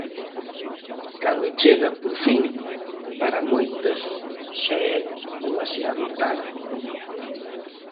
"Cando chega, por fin, para moitas xa é demasiado tarde".